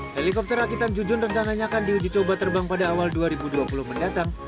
helikopter rakitan jujun rencananya akan diuji coba terbang pada awal dua ribu dua puluh mendatang